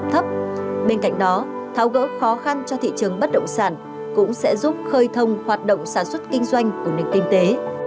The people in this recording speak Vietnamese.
tháo gỡ khó khăn cho thị trường bất động sản cũng sẽ giúp khơi thông hoạt động sản xuất kinh doanh của nền kinh tế